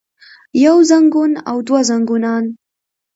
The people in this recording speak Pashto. يو زنګون او دوه زنګونان